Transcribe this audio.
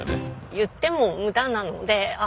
言っても無駄なのであ